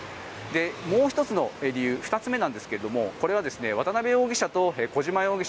もう１つの理由、２つ目ですがこれは、渡邉容疑者と小島容疑者